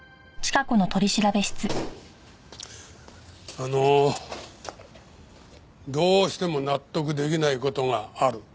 あのどうしても納得出来ない事がある。